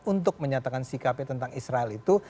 untuk menyatakan sikapnya tentang israel itu